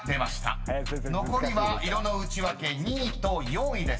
［残りは色のウチワケ２位と４位です］